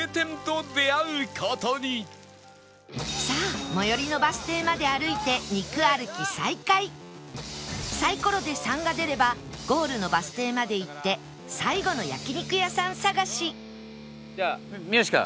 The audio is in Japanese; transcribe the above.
さあ最寄りのバス停まで歩いて肉歩き再開サイコロで「３」が出ればゴールのバス停まで行って最後の焼肉屋さん探しじゃあ宮近！